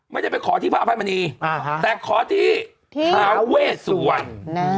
ไม่ได้ไปขอที่พระอภัยมณีแต่ขอที่ทาเวสวรรณ